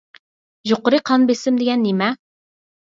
يۇقىرى قان بېسىم دېگەن نېمە؟